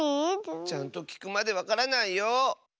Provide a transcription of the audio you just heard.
ちゃんときくまでわからないよ。